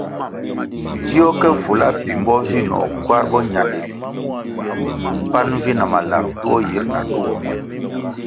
Dzió ke fula pimbo vinoh kwar boñandili pan vi na malap duo yir na duo.